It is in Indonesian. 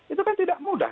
itu kan tidak mudah